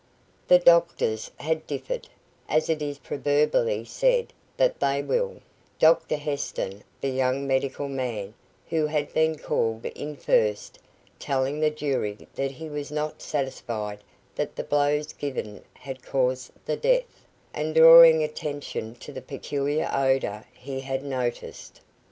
The doctors had differed, as it is proverbially said that they will, Dr Heston, the young medical man, who had been called in first, telling the jury that he was not satisfied that the blows given had caused the death, and drawing attention to the peculiar odour he had noticed.